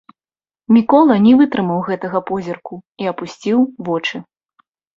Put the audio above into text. Мікола не вытрымаў гэтага позірку і апусціў вочы.